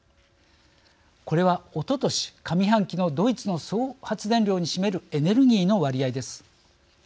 これは、おととし上半期のドイツの総発電量に占めるエネルギーの割合です。